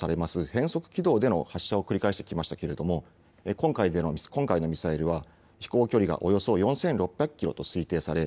変則軌道での発射を繰り返してきましたけれども今回のミサイルは飛行距離がおよそ４６００キロと推定され